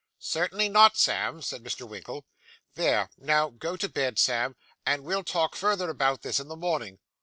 'Certainly not, Sam,' said Mr. Winkle. 'There! Now go to bed, Sam, and we'll talk further about this in the morning.